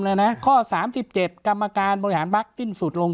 แนะฮะข้อสามสิบเจ็ดกรรมการบริหารบัคติ้นสุดลง